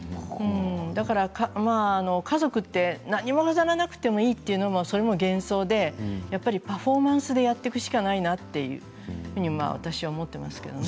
だから家族は何もなくてもいいというのも幻想でやっぱりパフォーマンスでやっていくしかないなと思っていますけれども。